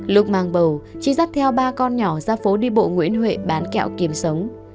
lúc mang bầu chi dắt theo ba con nhỏ ra phố đi bộ nguyễn huệ bán kẹo kiềm sống